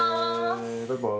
バイバイ。